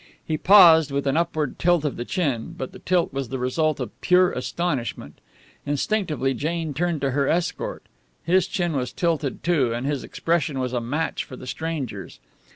He paused, with an upward tilt of the chin, but the tilt was the result of pure astonishment. Instinctively Jane turned to her escort. His chin was tilted, too, and his expression was a match for the stranger's.